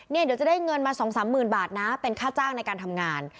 เดี๋ยวจะได้เงินมา๒๓หมื่นบาทนะเป็นค่าจ้างในการทำงาน